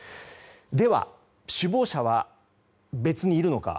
では、首謀者は別にいるのか。